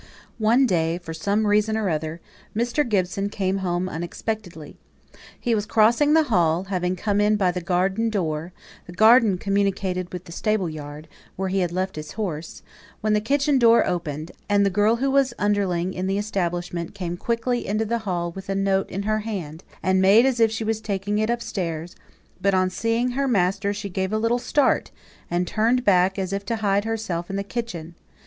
One day, for some reason or other, Mr. Gibson came home unexpectedly. He was crossing the hall, having come in by the garden door the garden communicated with the stable yard, where he had left his horse when the kitchen door opened, and the girl who was underling in the establishment, came quickly into the hall with a note in her hand, and made as if she was taking it upstairs; but on seeing her master she gave a little start, and turned back as if to hide herself in the kitchen.